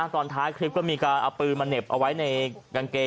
ตอนท้ายคลิปก็มีการเอาปืนมาเหน็บเอาไว้ในกางเกง